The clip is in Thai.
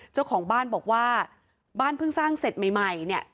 เจ้าของบ้านบอกว่าบ้านเพิ่งสร้างเสร็จใหม่เนี่ย